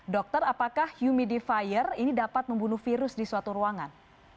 dokter apakah humidifier ini dapat membunuh virus di suatu ruangan